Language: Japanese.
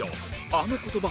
あの言葉